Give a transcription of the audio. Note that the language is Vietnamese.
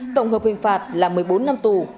tổng hợp hình phạt là một mươi bốn năm tù